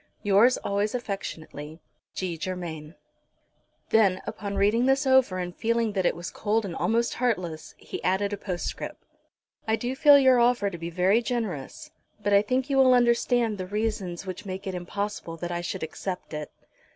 "Yours always affectionately, "G. GERMAIN." Then, upon reading this over and feeling that it was cold and almost heartless, he added a postscript. "I do feel your offer to be very generous, but I think you will understand the reasons which make it impossible that I should accept it."